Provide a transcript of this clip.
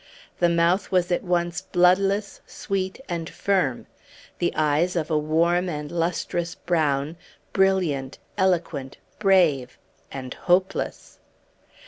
The mouth was at once bloodless, sweet, and firm; the eyes of a warm and lustrous brown, brilliant, eloquent, brave and hopeless!